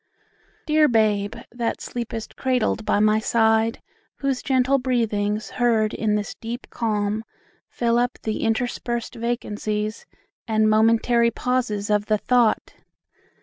Dear Babe, that sleepest cradled by my side, Whose gentle breathings, heard in this deep calm, Fill up the interspersed vacancies And momentary pauses of the thought!